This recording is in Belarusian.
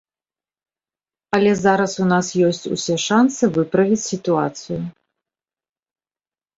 Але зараз у нас ёсць усе шанцы выправіць сітуацыю.